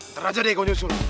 ntar aja deh gua nyusul